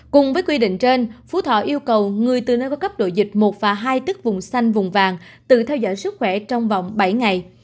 cùng với quy định trên phú thọ yêu cầu người từ nơi có cấp độ dịch một và hai tức vùng xanh vùng vàng tự theo dõi sức khỏe trong vòng bảy ngày